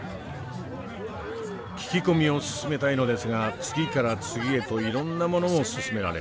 聞き込みを進めたいのですが次から次へといろんなものを薦められます。